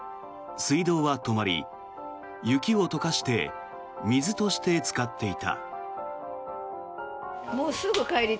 水道は止まり、雪を溶かして水として使っていた。